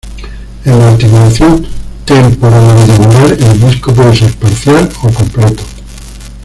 En la articulación temporomandibular, el disco puede ser parcial o completo.